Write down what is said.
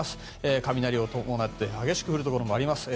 雷を伴って激しく降るところもあります。